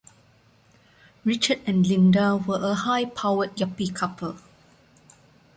Richard and Linda were a high-powered yuppie couple.